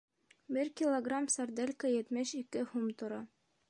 Бер килограмм сарделька етмеш ике һум тора.